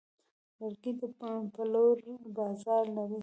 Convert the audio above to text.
لرګی د پلور بازار لري.